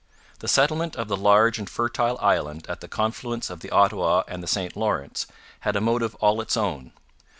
The settlement of the large and fertile island at the confluence of the Ottawa and the St Lawrence had a motive all its own.